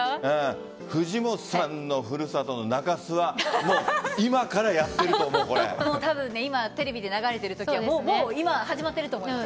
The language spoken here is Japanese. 藤本さんの故郷の中洲はテレビで流れてるときは今、始まってると思います。